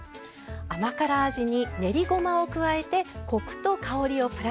甘辛味に練りごまを加えてコクと香りをプラス。